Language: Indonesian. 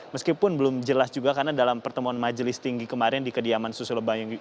meskipun belum jelas juga karena dalam pertemuan majelis tinggi kemarin di kediaman susilo bayu